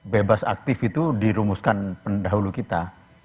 bebas aktif itu dirumuskan pendahulu kita